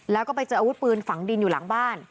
แล้วก็ไปเจออาวุธปืนฝังดินอยู่หลังบ้าน